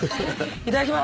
いただきます。